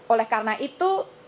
oleh karena itu